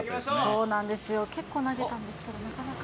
そうなんですよ、結構投げたんですけど、なかなか。